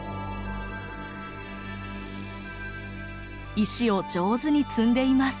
石を上手に積んでいます。